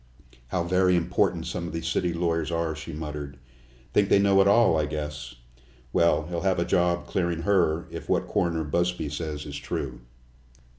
"How very important some of those city lawyers are," she muttered. "Think they know it all, I guess. Well, he'll have a job clearing her, if what Coroner Busby says is true."